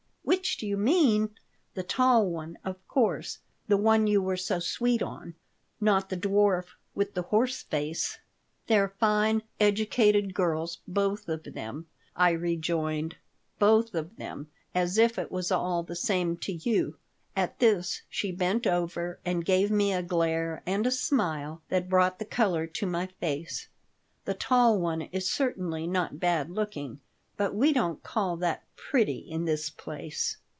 "'Which do you mean'! The tall one, of course; the one you were so sweet on. Not the dwarf with the horse face." "They're fine, educated girls, both of them," I rejoined. "Both of them! As if it was all the same to you!" At this she bent over and gave me a glare and a smile that brought the color to my face. "The tall one is certainly not bad looking, but we don't call that pretty in this place."